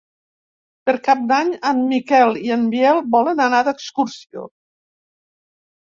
Per Cap d'Any en Miquel i en Biel volen anar d'excursió.